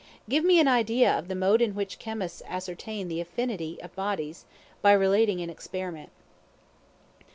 Give me an idea of the mode in which Chemists ascertain the affinity of bodies, by relating an experiment.